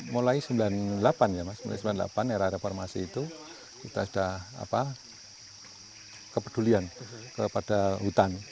mulai sembilan puluh delapan ya mas seribu sembilan ratus sembilan puluh delapan era reformasi itu kita sudah kepedulian kepada hutan